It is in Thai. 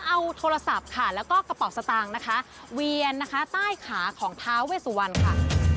เอาโทรศัพท์ค่ะแล้วก็กระเป๋าสตางค์นะคะเวียนนะคะใต้ขาของท้าเวสุวรรณค่ะ